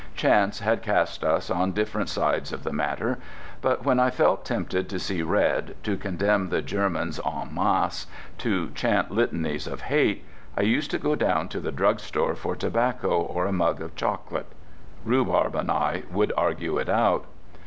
Chance had cast us on different sides of the matter. But when I felt tempted to see red, to condemn the Germans en masse, to chant litanies of hate, I used to go down to the drugstore for tobacco or a mug of chocolate. Rhubarb and I would argue it out.